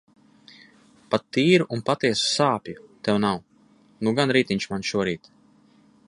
Pat tīru un patiesu sāpju tev nav. Nu gan rītiņš man šorīt.